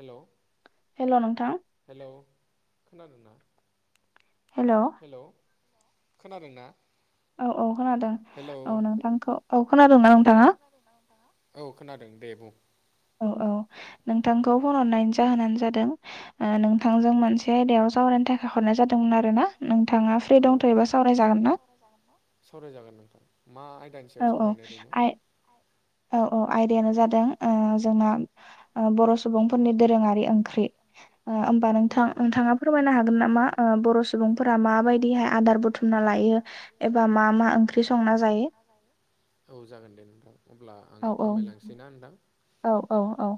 Hello hello नोंथां hello खोनादों ना हेलौ हेलौ खोनादों ना अ औ खोनादों औ नोंथांखौ औ खोनादोंना नोंथाङा औ खोनादों दे बुं औ औ नोंथांखौ फन हरनायनि जाहोनानो जादों ओ नोंथांजों मोनसे आयदायाव सावरायनो थाखाय हरनाय जादोंमोन आरो ना नोंथाङा फ्रि दंथ'योबा सावरायजागोन न सावरायजागोन नोंथां मा आयदानि सायाव सावरायनो ओरैनो औ औ आयदायानो जादों ओ जोंना ओ बर' सुबुंफोरनि दोरोङारि ओंख्रि ओ होमबा नोंथां नोंथाङा फोरमायनो हागोन नामा ओ बर' सुबुंफोरा माबायदिहाय आदार बुथु मना लायो एबा मा मा ओंख्रि संना जायो औ जागोन दे नोंथां अब्ला आं फोरमायलांसै ना नोंथां औ औ औ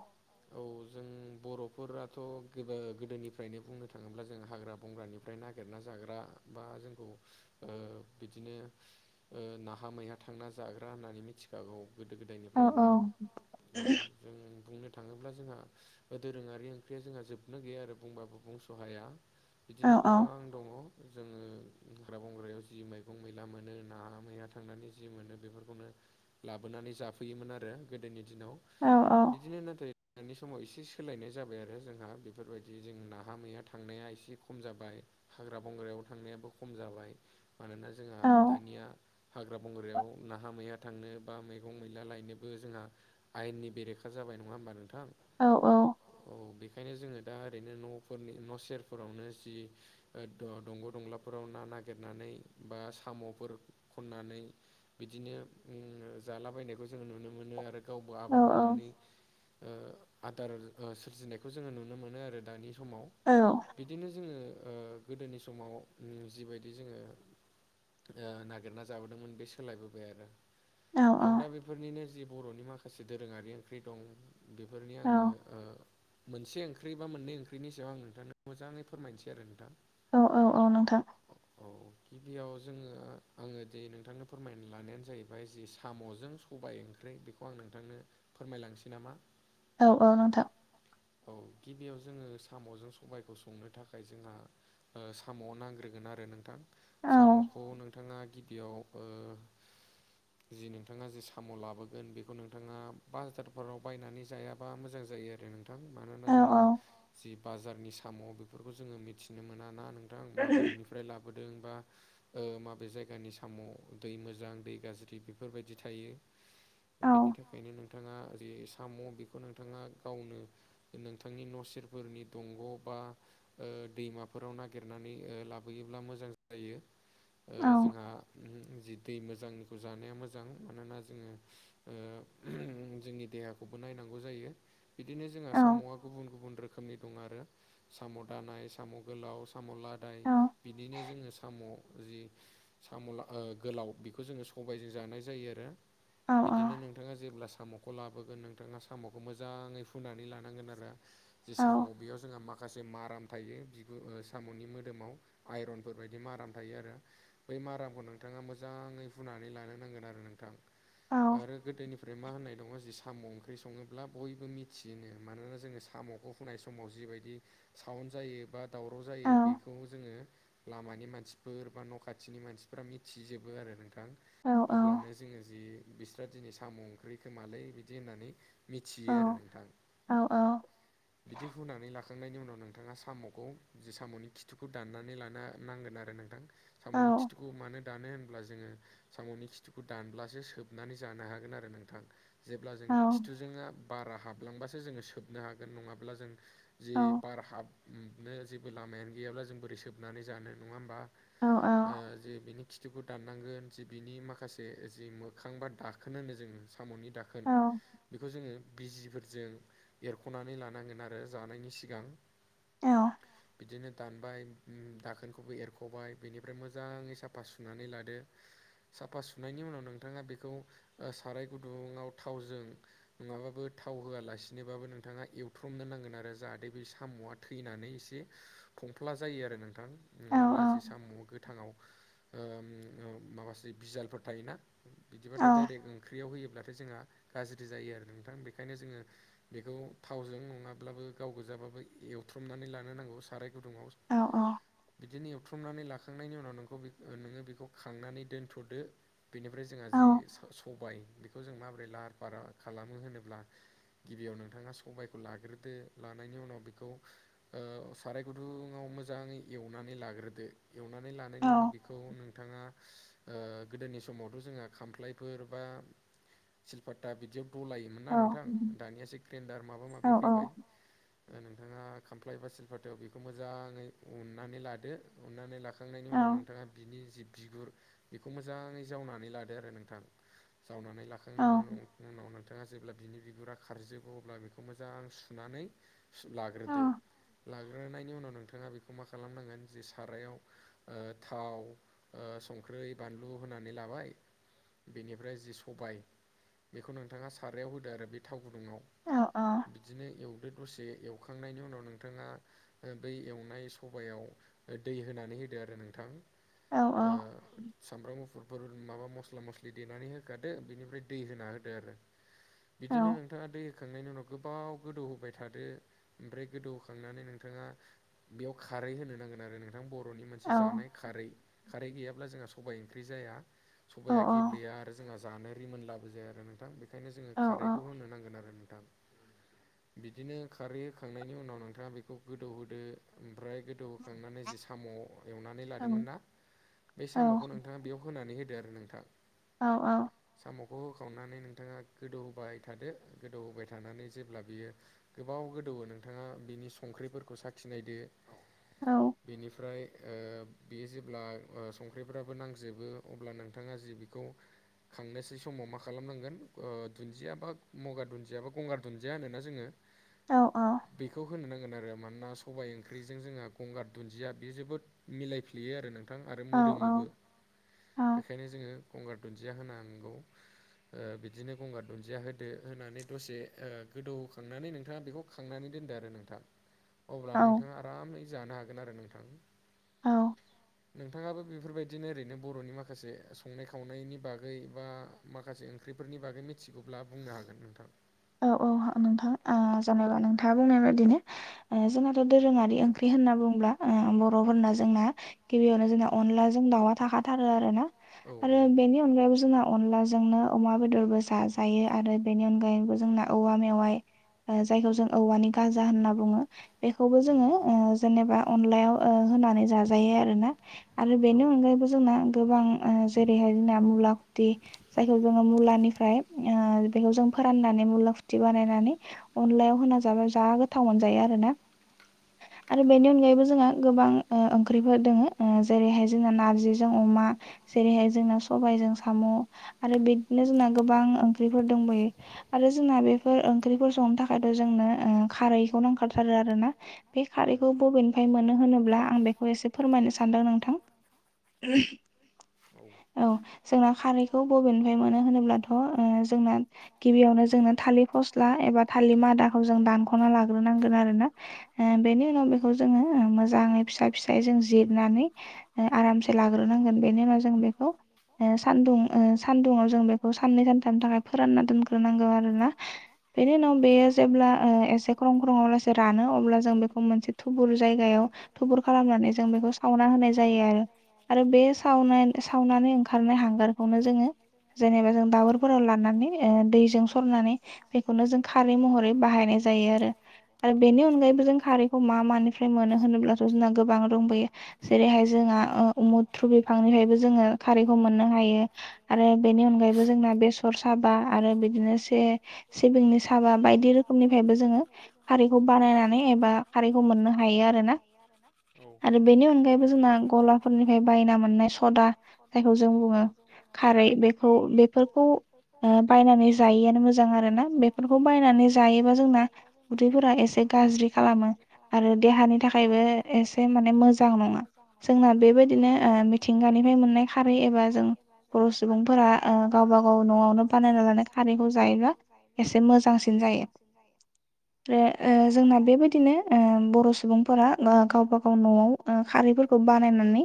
औ जों बर'फोराथ' [unintelligible] गोदोनिफ्रायनो बुंनो थाङोब्ला जों हाग्रा बंग्रानि फ्राय नागिरना जाग्रा बा जोंखौ ओ बिदिनो ओ नाहा मैहा थांना जाग्रा होननानै मिथिखागौ गोदो गो दायनिफ्रायनो औ जों बुंनो थाङोब्ला जोंहा दोरोङारि ओंख्रिया जोंहा जोबनो गैया आरो बुंबाबो बुंस' हाया बिदिनो गोबां दङ जोङो हाग्रा बंग्रायाव जि मैगं मैला मोनो नाहा मैया थांनानै जि मोनो बेफोरखौनो लाबोनानै जाफैयोमोन आरो गोदोनि दिनाव औ औ बिदिनो [unintelligible] [unintelligible] समाव इसे सोलायनाय जाबाय आरो जोंहा बेफोरबायदि जों नाहा मैहा थांनाया इसे खम जाबाय हाग्रा बंग्रायाव थांनायाबो खम जाबाय मानोना जोंहा दानिया हाग्रा बंग्रायाव नाहा मैया थांनो बा मैगं मैला लायनोबो जोंहा आयेननि बेरेखा जाबाय नङा होमबा नोंथां औ औ औ बेखायनो जोङो दा ओरैनो नफोरनि न सेरफोरावनो जि ओ द दंग दंलाफोराव ना नागिरनानै बा सामफोर खननानै बिदिनो ओम जालाबायनायखौ जों नुनो मोनो आरो गावबो आबाद मावनानै ओ आदार ओ सोरजिनायखौ जोङो नुनो मोनो आरो दानि समाव औ बिदिनो जोङो ओ गोदोनि समाव ओम जिबायदि जोङो ओ नागिरना जाबोदोंमोन बे सोलायबोबाय आरो आं दा बेफोरनिनो जि बरनि माखासे दोरोङारि ओंख्रि दं बेफोरनि आङो ओ मोनसे ओंख्रि बा मोननै ओंख्रिनि सायाव आं नोंथांनो मोजाङै फोरमायनोसै आरो नोंथां औ औ औ नोंथां औ गिबियाव जोङो आङो दि नोंथांनो फोरमायनो लानायानो जाहैबाय जे सामजों स सबाय ओंख्रै बेखौ आं नोंथांनो फोरमायलांनोसै नामा औ औ नोंथां औ गिबियाव जोङो सामजों सबायखौ संनो थाखाय जोंहा ओ साम नांग्रोगोन आरो नोंथां सामखौ नोंथाङा गिबियाव ओ जि नोंथाङा जे साम लाबोगोन बेखौ नोंथाङा बाजारफोराव बायनानै जायाबा मोजां जायो आरो नोंथां मानोना जोङो जि बाजारनि साम बेफोरखौ जोङो मिथिनो मोना ना नोंथां माबेनिफ्राय लाबोदों बा ओ माबे जायगानि साम दै मोजां दै गाज्रि बेफोरबायदि थायो बेनि थाखायनो नोंथाङा ओरै साम बेखौ नोंथाङा गावनो नोंथांनि न सेरफोरनि दंग बा ओ दैमाफोराव नागिरनानै लाबोयोब्ला मोजां जायो ओ जोंहा ओम जि दै मोजांनिखौ जानाया मोजां मानोना जोङो ओ जोंनि देहाखौबो नायनांगौ गौ जायो बिदिनो जोंहा सामआ गुबुन गुबुन रोखोमनि दं आरो साम दानाय साम गोलाव साम लादाय बिदिनो जोङो साम जि साम ला ओ गोलाव बेखौ जोङो सबायजों जानाय जायो आरो बिदिनो नोंथाङा जेब्ला सामखौ लाबोगोन नोंथाङा स सामखौ मोजाङै हुनानै लानांगोन आरो जे साम बेयाव जोंहा माखासे माराम थायो बिगुर ओ सामनि मोदोमाव आइरनफोरबायायदि माराम थायो आरो बै मारामखौ नोंथाङा मोजाङै हुनानै लानो नांगोन आरो नोंथां आरो गोदोनिफ्राय मा होननाय दङ जि साम 'ओं ख्रि सङोब्ला बयबो मिथियोनो मानोना जोङो साम'खौ हुनाय समाव जिबायदि साउन्द जायो बा दावराव जायो बेखौ जोङो लामानि मानसिफोर बा न खाथिनि मानसिफोरा मिथिजोबो आरो नों थां अब्लानो जोङो जि बिस्रा दिनै साम ओंख्रि खोमालै बिदि होननानै मिथियो आरो नोंथां बिदि हुनानै लाख खांनायनि उनाव नोंथाङा साम'खौ जि सामनि खिथुखौ दान्नानै लानो नांगोन आरो नोंथां सामनि खिथुखौ मानो दानो होनब्ला जोङो सामनि खिथुखौ दानब्लासो सोबनानै जानो हागोन आरो नोंथां जेब्ला जों खिथुजोंआ बारा हाबलांबासो जोङो सोबनो हागोन नङाब्ला जों जे बार हाबनो जेबो लामायानो गैयाब्ला जों बोरै सोबनानै जानो नङा होमबा ओ जे बिनि खिथुफोर दाननांगोन जि बिनि माखासे जि मोखां बा दाखोन होनो जोङो साम'नि दाखोन बेखौ जोङो बिजिफोरजों एरख'नानै लानांगोन आरो जानायनि सिगां बिदिनो दानबाय उम दाखोनखौबो एरख'बाय बिनिफ्राय मोजाङै साफा सुनानै लादो साफा सुनायनि उनाव नोंथाङा बेखौ साराय गुदुङाव थावजों नङाबाबो थाव होआलासिनोबाबो नोंथाङा एवथ्रमनो नांगोन आरो जाहाथे बे साम'आ थैनानै एसे फंफ्ला जायो आरो नोंथां नङाब्ला जि साम' गोथांआव ओ माखासे बिजालफोर थायोना बिदिबाथाय दडाइरेक्ट ओंख्रियाव होयोब्लाथाय जोंहा गाज्रि जायो आरो नोंथां बेखायनो जोङो बेखौ थावजों नङाब्लाबो गाव गोजाबाबो एवथ्रमनानै लानो नांगौ साराय गुदुङआव बिदिनो एथ' एथुमनानै लाखांनायनि उनाव नोंखौ नोङो बेखौ खांनानै दोन्थ'दो बेनिफ्राय जोंहा जि सबाय बेखौ जों माबोरै लाहार फाहार खालामो होनोब्ला गिबियाव नोंथाङा सबायखौ लाग्रोदो लानायनि उनाव बेखौ ओ साराय गुदुङाव मोजाङै एवनानै लाग्रोदो एवनानै लानायनि उनाव बेखौ नोंथाङा ओ गोदोनि समावथ' जोंहा खामफ्लायफोर बा सिलपात्ता बिदियाव हलायोमोन ना नोंथां दानिया एो ग्रेन्डार माबा माबि फैबाय नोंथाङा खामफ्लाय एबा सिलपातायाव बेखौ मोजाङै उननानै लादो उननानै लाख खांनायनि उनाव नोंथाङा बिनि जि बिगुर बेखौ मोजाङै जावनानै लादो आरो नोंथां जावनानै लाखांनायनि उन उनावनो नोंथाङा जेब्ला बिनि बिगुरा खारजोबो अब्ला बेखौ मोजां सुनानै लाग्रोदो लाग्रोनायनि उनाव नोंथाङा बेखौ मा खालामनांगोन जे सारायाव ओ थाव ओ संख्रि बानलु होनानै लाबाय बेनिफ्राय जि सबाय बेखौ नोंथाङा सारायाव होदो आरो बे थाव गुदुुंआव बिदिनो एवदो दसे एवखांनायनि उनाव नोंथाङा ओ बै एवनाय सबायाव दै होनानै होदो आरो नोंथां ओ सामब्राम गुफुर बल माबा मस्ला मस्लि देनानै होखादो बेनिफ्राय दै होना होदो आरो बिदिनो नोंथाङा दै होखांनायनि उनाव गोबाव गोदौ होबाय थादो ओमफ्राय गोदौहखांनानै नोंथाङा बेयाव खारै होनो नांगोन आरो नों थां बर'नि मोनसे जानाय खारै, खारै गैयाब्ला जोंहा सबायाइ ओंख्रि जाया सबाया गेब्लेया आरो जोंहा जानो रिमोनलाबो जाया आरो नोंथां बे खायनो जोङो खारैखौ होनो नांगोन आरो नोंथां। बिदिनो खारै होखांनायनि उनाव नोंथाङा बेखौ गोदौ होदो ओमफ्राय गो दौ होखांनानै जि साम' एवनानै लादोंमोन ना बे साम'खौ नोंथाङा बेयाव होनानै होदो आरो नोंथां औ औ साम'खौ होखावनानै नोंथाङा गोदौ होबाय थादो गोदौ होबाय थानानै जेब्ला बियो गोबाव गोदौवो नोंथाङा बिनि संख्रिफोरखौ साखिनायदो औ बेनिफ्राय ओ बेयो जेब्ला ओ संख्रिफ्राबो नांजोबो अब्ला नोंथाङा जि बिखौ खांनोसै समाव मा खालामनांगोन ओ दुन्दिया बा मगार दुन्दिया बा गंगार दुन्दिया होनोना जोङो औ औ बेखौ होनो नांगोन आरो मानोना सबायाइ ओंख्रिजों जोंहा गंगार दुन्दिया बेयो जोबोद मिलाय पलेयो आरो नोंथां आरो मोदोमोबो बेखायनो जोङो गंगार दुन्दिया होनांगौ ओ बिदिनो गंगार दुन्दिया होदो होनानै दसे ओ गोदौखांनानै नोंथाङा बेखौ खांनानै दोनदो आरो नोंथां। [inaudible] अब्ला नोंथाङा आरामै जानो हागोन आरो नोंथां। औ नोंथाङाबो बेफोरबायदिनो ओरैनो बर'नि माखासे संनाय खावनायनि बागै बा माखासे ओंख्रि फोरनि बागै मिथिगौब्ला बुंनो हागोन नोंथां। औ औ नोंथां आ जेनेबा नोंथाङा बुंनाय बायदिनो जोंहाथ' दोरोङारि ओंख्रि होनना बुंब्ला ओ बर'फोरना जोंना गिबियावनो जोंना अनलाजों दाउआ थाखाथारो आरो ना। आरो बेनि अ अनगायैबो जोंहा अनलाजोंनो अमा बेदरबो जाजायो आरो बेनि अनगायैबो जोंना औवा मेवाइ ओ जायखौ जों औवानि गाजा होनना बुङो बेखौबो जोङो ओ जेनेबा अनलायाव ओ होनानै जाजायो आरो ना आरो बेनि अनगायैबो जोंना गोबां ओ जेरैहाय जोंना मुलाखुथि जायखौ जोङो मुलानिफ्राय ओ बेखौ जों फोराननानै मुला फुथि बानायनानै अनलायाव होना जाबा जा गोथाव मोनजायो आरोना। आरो बेनि अनगायैबो जोंहा गोबां ओ ओंख्रिफोर दङो ओ जेरैहाय जोंना नारजिजों अमा जेरैहाय जोंना सबायाइजों साम' आरो बिदिनो जोंना गोबां ओंख्रिफोर दंबयो आरो जोंना बेफोर ओंख्रिफोर संनो थाखायथ' जोंनो खारैखौ नांथारथारो आरो ना बे खारैखौ बबेन फाय मोनो होनोब्ला आं बेखौ एसे फोरमायनो सानदों नोंथां। औ जोंना खारैखौ बबेनिफ्राय मोनो होनोब्लाथ' ओ जोंना गिबियावनो जोंनो थालिर फस्ला एबा थालिर मादाखौ जों दानख'ना लाग्रोनांगोन आरो ना। ओ बेनि उनाव बेखौ जोङो मोजाङै फिसा फिसाय जों जिरनानै ओ आरामसे लाग्रोनांगोन बेनि उनाव जों बेखौ ओ सानदुं ओ सान्दुुङाव जों बेखौ साननै सानथामनि थाखाय फोरानना दोनग्रोनांगौ आ आरोना बेनि उनाव बेयो जेब्ला ओ एसे ख्रं ख्रं आव लासो रानो अब्ला जों बेखौ मोनसे थुबुर जायगायाव थुबुर खालामनानै जों बेखौ सावना होनाय जायो आरो आरो बे सावनाय सावनानै ओंखारनाय हांगारखौनो जोङो जेनेबा जों दावरफोराव लानानै ओ दैजों बेखौनो जों खारै महरै बाहायनाय जायो आरो आरो बेनि अनगायैबो जों खारैखौ मा मानो फ्राय मोनो होनोबथ' जोंना गोबां दंबोयो जेरैहाय जोंङा ओ मुद्रु बि फांनिफ्रायबो जोङो खारैखौ मोननो हायो आरो बेनि अनगायैबो जोंना बेसर हाबा आरो बिदिनो से सिबिंनि साबा बायदि रोखोमनिफ्रायबो जोङो खारैखौ बानायनानै एबा खारैखौ मोननो हायो आरोना आरो बेनि अनगायैबो जोंना गलाफोरनिफ्राय बायना मोननाय सदा जायखौ जों बुङो, खारै बेखौ बेफोरखौ बायनानै जायैआानो मोजां आरोना, बेफोरखौ फायनानै जायोबा जोंना उदैफोरा एसे गाज्रि खालामो आरो देहानि थाखायबो एसे माने मोजां नङा जोंना बेबायदिनो मिथिंगानिफ्राय मोननाय खारै एबा जों बर' सुबुंफोरा ओ गावबा गाव न'आवनो बानायना लानाय खारैखौ जायोब्ला एसे मोजां एसे मोजांसिन जायो। ओ ओ जोंना बेबायदिनो बर' सुबुंफोरा गावबा गाव न'आव खारैफोरखौ बानायनानै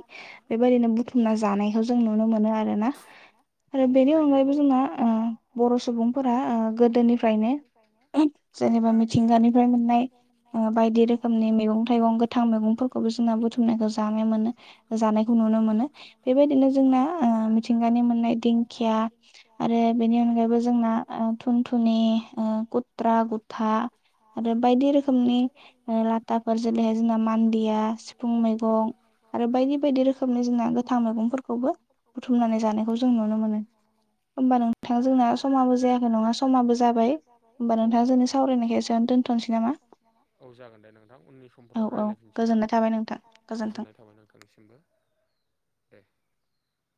बेबायदिनो बुथुमना जानायखौ जों नुनो मोनो आरोना। आरो बेनि अनगायैबो जोंना ओ बर' सुबुंफोरा ओ गोदोनिफ्राय फ्रायनो जेनेबा मिथिंगानिफ्राय मोननाय ओ बायदि रोखोमनि मैगं थाइगं गो थां मैगंफोरखौबो जोंना बुथुमनायखौ जानो मोनो जानायखौ नुनो मोनो बेबायदिनो जोंना ओ थिंगानि मोननाय दिंखिया आरो बेनि अनगायैबो जोंना [inaudible] ओ खुथ्रा गुथा आरो बायदि रोखोमनि ओ ला दाफोर जेरैहाय जोंना मान्दिया सिफुं मैगं आरो बायदि बायदि रोखोमनि जोंना गोथां मैगंफोर खौबो बुथुमनानै जानायखौ जों नुनो मोनो। होमबा नोंथां जोंना समाबो जायाखै नङा समाबो जा ओ औ जागोन दे नोंथां उननि समफ्राव रायज्लायफिनसै ना? गोजोननाय थाबाय नोंथांनिसिमबो दे।